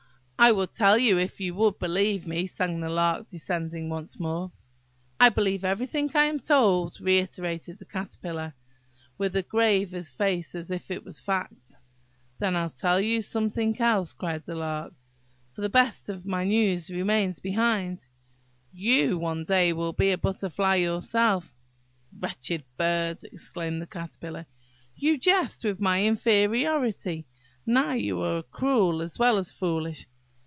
"I would tell you, if you would believe me," sang the Lark, descending once more. "I believe everything I am told," reiterated the Caterpillar, with as grave a face as if it were a fact. "Then I'll tell you something else," cried the Lark; "for the best of my news remains behind. You will one day be a Butterfly yourself. " "Wretched bird!" exclaimed the Caterpillar, "you jest with my inferiority–now you are cruel as well as foolish.